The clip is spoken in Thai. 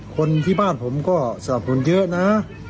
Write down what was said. คนที่บ้านผมก็สนับสนุนเยอะนะ